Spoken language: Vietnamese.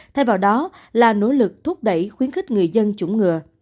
thay vào đó là nỗ lực thúc đẩy khuyến khích người dân chủng ngừa